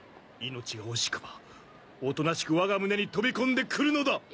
命が惜しくばおとなしく我が胸に飛び込んでくるのだ！